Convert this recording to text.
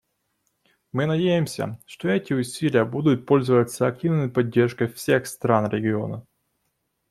Мы надеемся, что эти усилия будут пользоваться активной поддержкой всех стран региона.